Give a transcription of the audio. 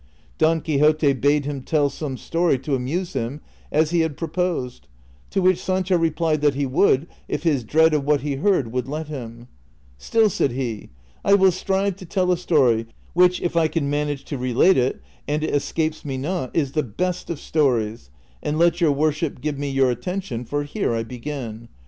Don Quixote bade him tell some story to amuse him as he had l)roposed, to which Sancho replied that he would if his dread of what he heard would let him; ''Still," said he, "I will strive to tell a story which, if I can manage to relate it, and it escapes me not, is the best of stories, and let your worship give me your attention, for here I begin.